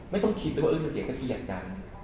ไม่ต้องคิดว่าเอิ๊กกับเก๋จะเกียรติกัน